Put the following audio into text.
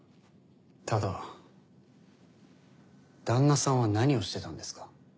ただ旦那さんは何をしてたんですか？